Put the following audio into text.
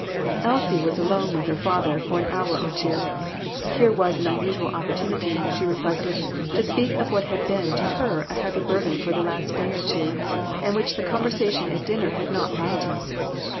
Elsie was alone with her father for an hour or two. Here was an unusual opportunity, she reflected, to speak of what had been to her a heavy burden for the last day or two, and which the conversation at dinner had not lightened.